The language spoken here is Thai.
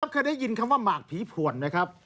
เคยได้ยินคำว่าหมากผีผ่วนไหมครับ